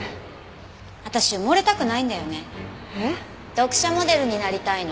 読者モデルになりたいの。